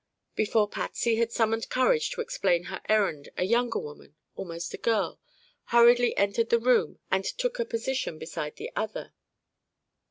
Before Patsy had summoned courage to explain her errand a younger woman almost a girl hurriedly entered the room and took a position beside the other.